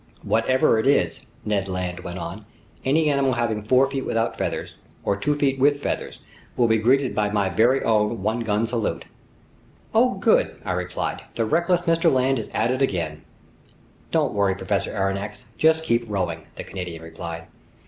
"Whatever it is," Ned Land went on, "any animal having four feet without feathers, or two feet with feathers, will be greeted by my very own one gun salute." "Oh good!" I replied. "The reckless Mr. Land is at it again!" "Don't worry, Professor Aronnax, just keep rowing!" the Canadian replied.